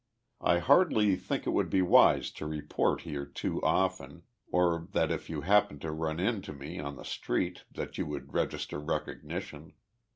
I hardly think it would be wise to report here too often, or that if you happen to run into me on the street that you would register recognition.